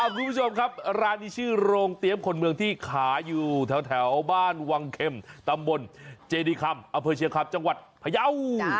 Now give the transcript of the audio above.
คุณผู้ชมครับร้านนี้ชื่อโรงเตรียมคนเมืองที่ขายอยู่แถวบ้านวังเข็มตำบลเจดีคำอเภอเชียคำจังหวัดพยาว